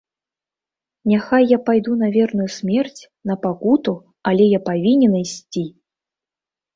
Няхай я пайду на верную смерць, на пакуту, але я павінен ісці!